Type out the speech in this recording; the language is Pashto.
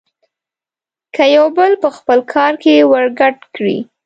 که يو بل په خپل کار کې ورګډ کړي.